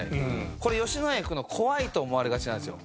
これ野家行くの怖いと思われがちなんですよ。